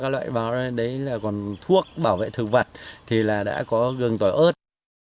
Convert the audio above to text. ba loại vào đó đấy là còn thuốc bảo vệ thực vật thì là đã có gừng tỏi ớt